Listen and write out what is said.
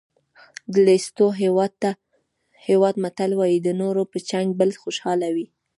د لېسوتو هېواد متل وایي د نورو په جنګ بل خوشحاله وي.